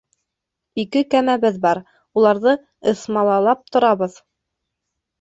Ике кәмәбеҙ бар, уларҙы ыҫмалалап торабыҙ.